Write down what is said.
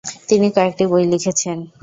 তিনি কয়েকটি বই লিখেছেন।